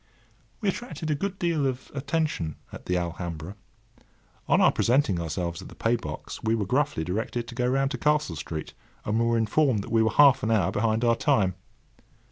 We attracted a good deal of attention at the Alhambra. On our presenting ourselves at the paybox we were gruffly directed to go round to Castle Street, and were informed that we were half an hour behind our time.